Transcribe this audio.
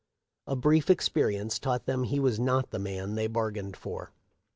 A brief experience taught them he was not the man they bargained for.